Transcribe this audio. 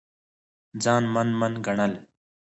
ځان من من ګڼل